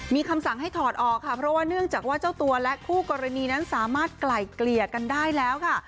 มีคำสั่งให้ถอดออกค่ะเพราะว่าเนื่องจากว่าเจ้าตัวและคู่กรณีนั้นสามารถไกล่เกลี่ยกันได้แล้วค่ะ